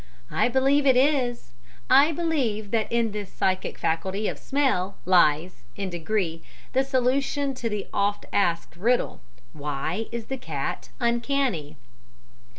I believe it is I believe that in this psychic faculty of smell lies, in degree, the solution to the oft asked riddle why is the cat uncanny?